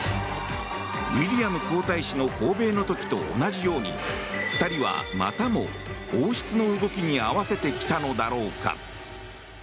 ウィリアム皇太子の訪米の時と同じように２人はまたも王室の動きに合わせてきたのだろうか。